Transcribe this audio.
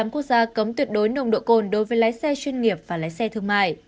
ba mươi năm quốc gia cấm tuyệt đối nồng độ cồn đối với lái xe chuyên nghiệp và lái xe thương mại